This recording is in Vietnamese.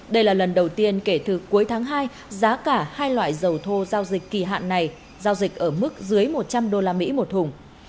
đây là lần đầu tiên kể từ cuối tháng hai giá cả hai loại dầu thô giao dịch kỳ hạn này giao dịch ở mức dưới một trăm linh usd một thùng